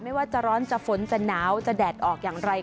ไม่ว่าจะร้อนจะฝนจะหนาวจะแดดออกอย่างไร